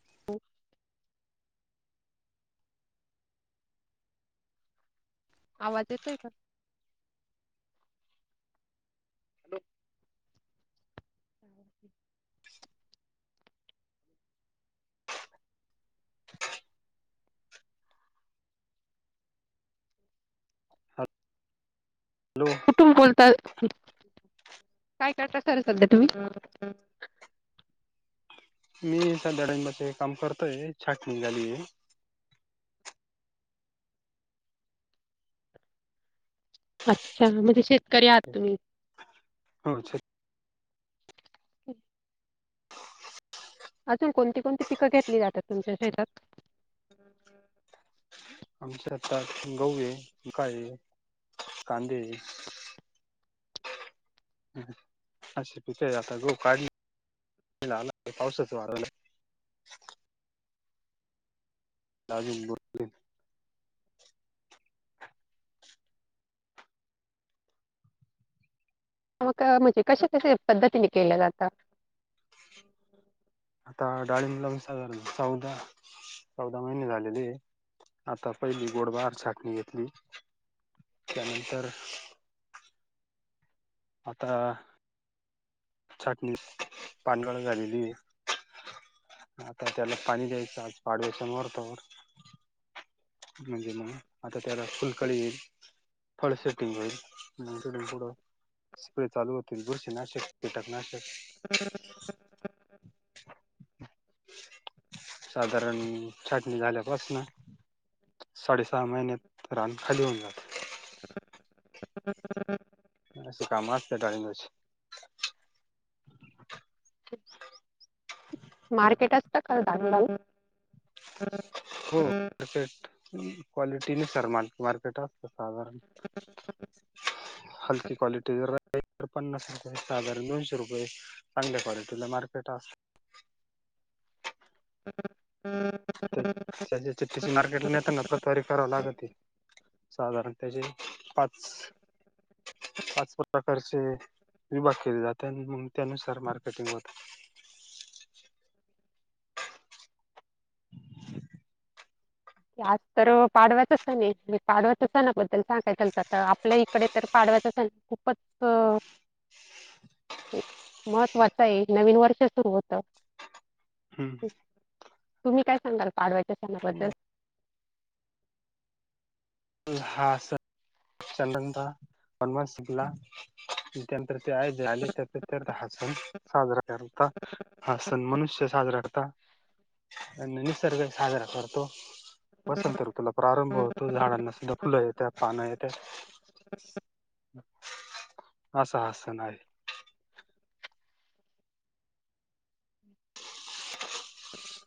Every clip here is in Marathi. [inaudible] आवाज येतोय? [inaudible] [inaudible] [inaudible] हॅलो. कुठून बोलता? [inaudible] काय करता सर सध्या तुम्ही? मी सध्या रांगेमध्ये काम करतोय छाटणी निघाली आहे. अच्छा, म्हणजे शेतकरी आहात तुम्ही? [inaudible] हो शेत [inaudible] अजून कोणती-कोणती पिकं घेतली जातात तुमच्या शेतात? आमच्या आता गहू ये, [unintelligible] कांदे, - असी [inaudible] आता गहु काढला आला पावसाच वाराला. दाबुन भरलेत. हो का म्हणजे कशाच्या पद्धतीने केल जात? आता डाळींब लावून साधारण चौदा. चौदा महिने झालेले. आता पहिली गोडबार छाटणी घेतली. त्यानंतर आता छाटणी पानघळ झालेली आहे. आता त्याला पाणी द्यायचं आज पाडव्याच्या मुहुर्तावर. [inaudible] म्हणजे मग आता त्याला फुलकळी येईल. फळ सेटिंग होईल तिथुन पुढ स्प्रे चालू होतील बुरशी नाशक, - कीटकनाशक. [inaudible] [inaudible] साधारण छाटणी झाल्यापासन. साडेसहा महिन्यात रान खाली होऊन जात. अशी काम असतात डाळिंबाची. मार्केट असत का डाळीब्याला? हो. [unintelligible] क्वालिटी नुसार मार्केट असत साधारण. [inaudible] हलकी क्वालि टी जर पन्नास रुपये साधारण दोनशे रुपये चांगल्या क्वालिटीला मार्केट अस [inaudible] त्या त्याची [unintelligible] मार्केट ला नेताना पतवारी करावं लागती. साधारण त्याचे पाच. पाच प्रकारचे विभाग केले जात त्यानुसार मार्केटिंग होत. [inaudible] आज तर पाडवायचा सण आहे, पाडवायच्या सणाबद्दल [unintelligible] तर आपल्या इकडे तर पाडव्याचा सण खूपच महत्त्वाचं आहे नवीन वर्ष सुरू होत. [inaudible] होत तुम्ही काय सांगाल पाडव्याच्या सणाबदल. हा सण [unintelligible] साधारणत [unintelligible] ला त्यानंतर ते हाय जे आले ते हा सण साजरा करता. हा सण मनुष्य साजरा करता, - आणि निसर्ग साजरा करतो वसंत ऋतू. तुला प्रारंभ होत झाडांना सुद्धा फुलं येतं, पानं येतं. [inaudible] असं हा सण आहे.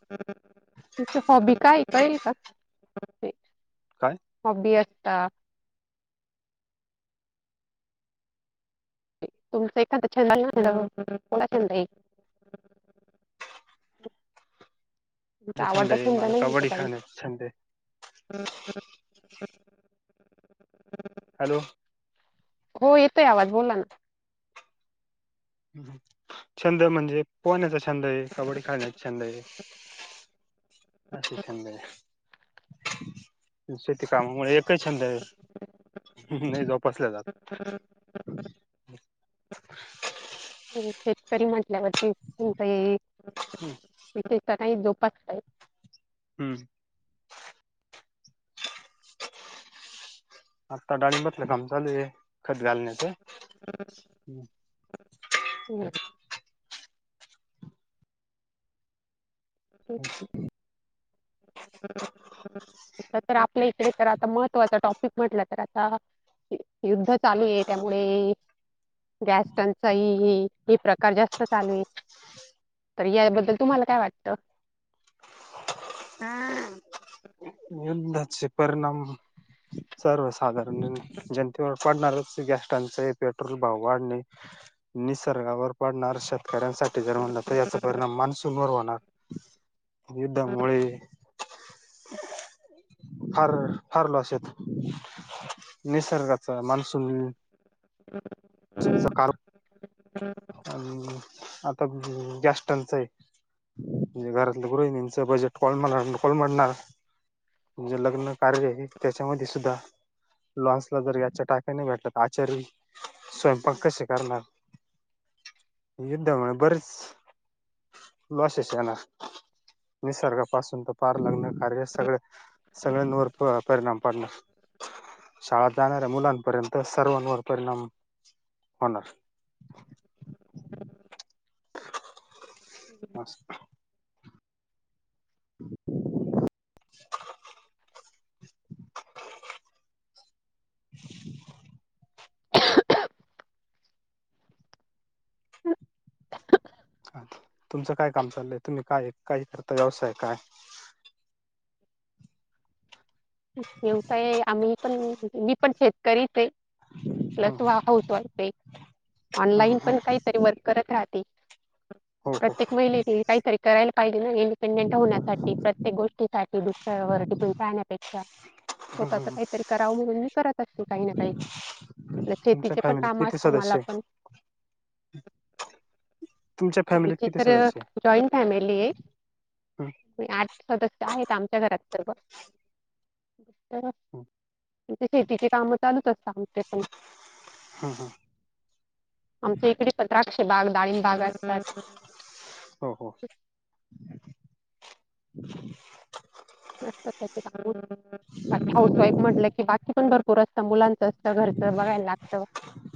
[inaudible] तुमची हॉबी काय कळेल का? काय [inaudible] हॉबी असता. तुमचं एखाद छंद [unintelligible] आवडता आहे छंद मला नाहीये का कबड्डी काही? खेळण्याचा छंद आहे [inaudible] हॅलो. हो येतोय आवाज बोला ना. छंद म्हणजे पोहण्याचा छंद आहे, कबड्डी खेळण्याचा छंद आहे. असे छंद आहेत. [inaudible] शेती कामामुळे ते छंद आहे, लई जोपासल्या जात. [inaudible] तुम्ही शेतकरी म्हटल्यावरती तुमच विशेषतः नाही जोपच का? हम्म. आत्ता डाळिंबातलं काम चालू आहे खत घालण्याचं. [inaudible] बर. [inaudible] आपल्या इकडे तर आता महत्त्वाचा टॉपिक म्हटलं तर आता युद्ध चालू आहे त्यामुळे गॅसटनचाइ हे प्रकार जास्त चालू आहे. तर याबद्दल तुम्हाला काय वाटत? हा, उद्धाचे परिणाम सर्वसाधारण जनतेवर पडणारच गॅस टांचाई, पेट्रोल भाव वाढणे, निसर्गावर पडणार शेतकऱ्यांसाठी जर म्हणल तर याचा परिणाम मान्सुनवर होणार. युद्ध मुळे [inaudible] फार फार लॉस येत. निसर्गाचा, मान्सून [inaudible] सकाळ [inaudible] अन गॅस टंचाई म्हणजे घरातल्या गृहिणींचं बजट कोण म्हणणार, कोण म्हणणार म्हणजे लग्न कार्य आहे त्याच्यामध्ये सुद्धा लॉन्सला जर याच्या टाका नाही भेटलं तर आचारी स्वयंपाक कसे करणार. युद्धामुळे बरेचं लॉसेस होणार निसर्गापासून तर पार लग्न कार्य सगळ सगळ्यांवर परिणाम पडणार. शाळेत जाणाऱ्या मुलांपर्यंत सर्वांवर परिणाम होणार. [inaudible] [inaudible] [inaudible] [inaudible] तुमचं काय काम चाललंय तुम्ही काय काही करता व्यवसाय काय? व्यवसाय आम्ही पण मी पण शेतकरीच आहे. प्लस हाऊस वाईफ आहे ऑनलाइन पण काहीतरी वर्क करत राहते. हो [inaudible] हो प्रत्येक महिलेने काहीतरी करायला पाहिजे ना इंडिपेंडेंट होण्यासाठी, प्रत्येक गोष्टीसाठी द दूसर्या वर टिकून राहण्यापेक्षा,, स्वतःच काहीतरी करावं म्हणून मी करत असते काही ना काही. तुमच्या शेतीचे पण फॅमिलीत काम किती असतं मला सदस्य आहे पण -. तुमच्या फॅमिलीत आमची किती तरं, सदस्य आहे जॉईंट फॅमिली आहे, आठ सदस्य आहेत आमच्या घरात सर्व,,, तर म्हणजे शेतीचे कामं चालूच असतात आमचे पण हां हां. आमच्या इकडे पण द्राक्ष बाग डाळिंब बागच रायते हो हो [unintelligible] अच्छा हाऊस वाईफ म्हटलं की बाकी पण भरपूर असतं,,, मुलांचं असतं, घरचं बघायला लागतं.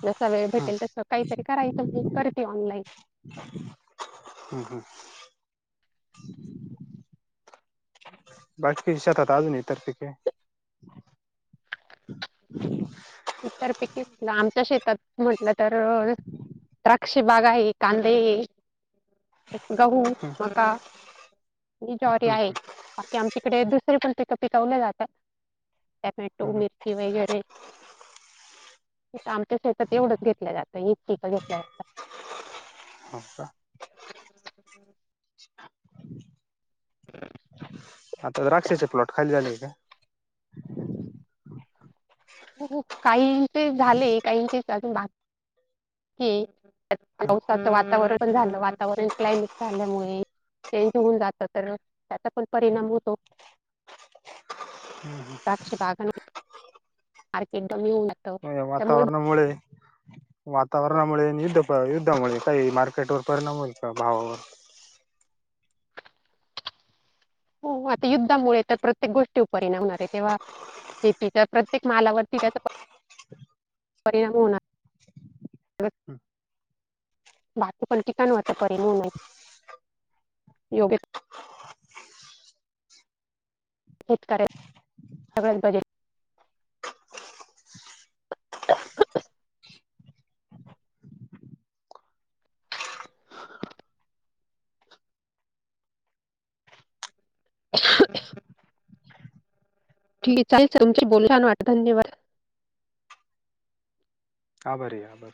जसा वेळ भेटेल तसं काहीतरी करायचं म्हणून करते ऑनलाईन हम्म हम्म. बाकीच्या शेतात अजून इतर पिके इतर पिके म्हटलं आमच्या शेतात म्हटलं तर,,,, द्राक् द्राक्ष बाग आहे, कांदे गहू, मका, ही ज्वारी आहे. बाकी आमच्याकडे दुसरे पण पिक पिकवले जातात,, टॅमॅटो मिरची वगैरे आमच्या शेतात एवढंच घेतल्या जातं,, हिच पिकं घेतल्या जातात. अच्छा. [inaudible] आता द्राक्षाचे प्लॉट खाली झाले आहे का? काही न चे झाले,, काही न चे अजून बाकी ये पावसाचं वातावरण पण झालं,, वातावरण क्लायमेट झाल्यामुळे चेंज होऊन जातं तर त्याचा पण परिणाम होतो‌. द्राक्ष बागांना,, मार्केट कमी होऊन जातं. हं त्यामुळे वातावरणामुळे वातावरणामुळे आणि युद्ध युद्धामुळे काही मार्केटवर परिणाम होईल का भावावर?? हो,, आता युद्धामुळे तर प्रत्येक गोष्टीवर परिणाम होणार आहे तेव्हा शेतीच्या प्रत्येक मालावरती त्याचा परिणाम होणार हम्म. बाकी पण ठिकाण होते परिणामं,,, योगे शेतकरयाचा सगळंच बजेट [unintelligible] [inaudible] ठीक चालेल तुमच्याशी बोलून छान वाटलं धन्यवाद. आभारी आय.